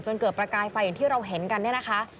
เกิดประกายไฟอย่างที่เราเห็นกันเนี่ยนะคะ